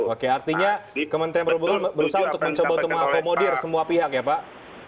oke artinya kementerian perhubungan berusaha untuk mencoba untuk mengakomodir semua pihak ya pak